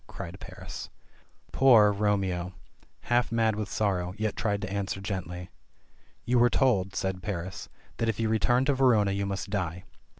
cried Paris. Poor, Romeo, half mad with sorrow, yet tried to answer gently. "You were told," said Paris, "that if you returned to Verona you must die."